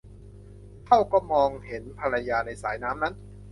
เข้าก็มองเห็นภรรยาในสายน้ำนั้น